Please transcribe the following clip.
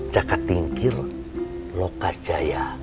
jakat tingkir lokajaya